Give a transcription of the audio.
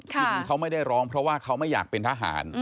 ทีนี้เขาไม่ได้ร้องเพราะว่าเขาไม่อยากเป็นทหาร